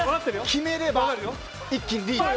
決めれば、一気にリード。